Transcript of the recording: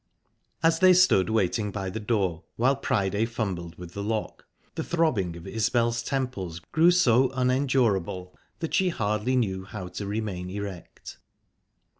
As they stood waiting by the door, while Priday fumbled with the lock, the throbbing of Isbel's temples grew so unendurable that she hardly knew how to remain erect.